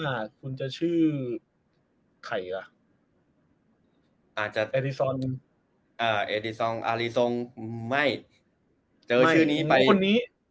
ให้คุณจะชื่อใครกัน